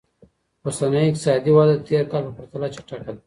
اوسنۍ اقتصادي وده د تير کال په پرتله چټکه ده.